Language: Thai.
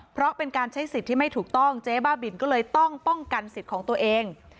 เพราะเป็นการใช้สิทธิ์ที่ไม่ถูกต้องเจ๊บ้าบินก็เลยต้องป้องกันสิทธิ์ของตัวเอง